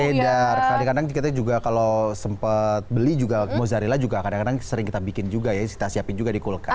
beda kadang kadang kita juga kalau sempat beli juga mozzarella juga kadang kadang sering kita bikin juga ya kita siapin juga di kulkas